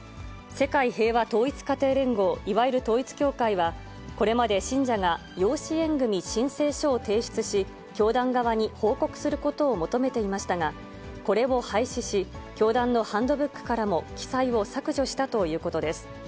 世界平和統一家庭連合、いわゆる統一教会は、これまで信者が養子縁組申請書を提出し、教団側に報告することを求めていましたが、これを廃止し、教団のハンドブックからも記載を削除したということです。